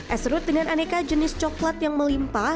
es serut dengan aneka jenis coklat yang melimpah